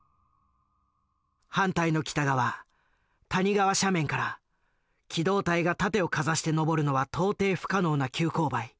反対の北側谷川斜面から機動隊が盾をかざして登るのは到底不可能な急勾配。